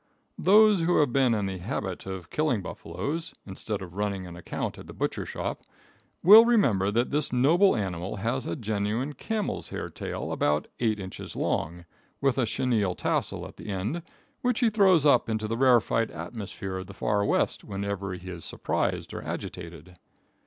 Those who have been in the habit of killing buffaloes, instead of running an account at the butcher shop, will remember that this noble animal has a genuine camel's hair tail about eight inches long, with a chenille tassel at the end, which he throws up into the rarified atmosphere of the far west, whenever he is surprised or agitated.